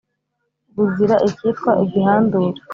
Buzira ikitwa igihandure